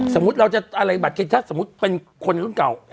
สมมุติเราจะอะไรบัตรเคถ้าสมมุติเป็นคนรุ่นเก่า